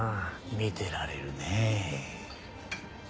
見てられるねえ。